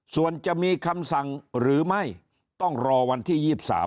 ส่วนจะมีคำสั่งหรือไม่ต้องรอวันที่๒๓